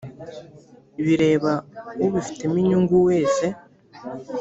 bireba ubifitemo inyungu wese